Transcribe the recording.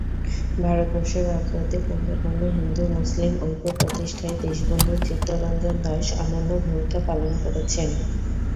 ভারতবর্ষের রাজনৈতিক আন্দোলনে হিন্দু-মুসলিম ঐক্য প্রতিষ্ঠায় দেশবন্ধু চিত্তরঞ্জন দাস অনন্য ভূমিকা পালন করেছেন।